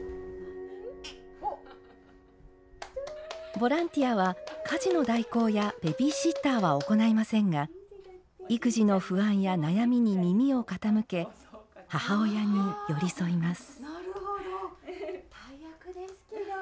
ボランティアは家事の代行やベビーシッターは行いませんが育児の不安や悩みに耳を傾け母親に寄り添います。